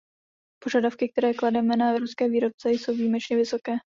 Požadavky, které klademe na evropské výrobce, jsou výjimečně vysoké.